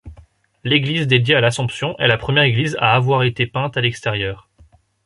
L'église dédiée à l'Assomption est la première église à avoir été peinte à l'extérieur.